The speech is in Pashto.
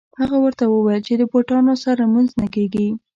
هغه ورته وویل چې د بوټانو سره لمونځ نه کېږي.